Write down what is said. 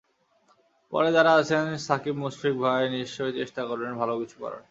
পরে যাঁরা আছেন, সাকিব-মুশফিক ভাই নিশ্চয়ই চেষ্টা করবেন ভালো কিছু করার।